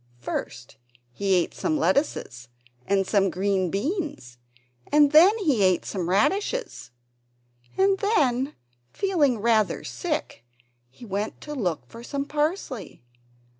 First he ate some lettuces and some French beans, and then he ate some radishes; and then, feeling rather sick, he went to look for some parsley.